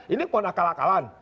ini bukan akal akalan